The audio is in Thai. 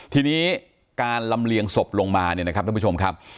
ทีนี้การลำเลียงศพลงมาเนี่ยนะครับท่านผู้ชมครับ